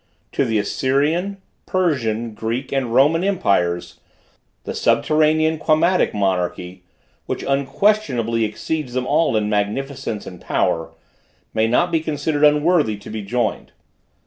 To the Assyrian, Persian, Greek and Roman empires, the Subterranean Quamatic monarchy, which unquestionably exceeds them all in magnificence and power, may not be considered unworthy to be joined.